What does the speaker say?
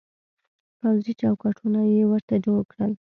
پوځي چوکاټونه يې ورته جوړ کړل.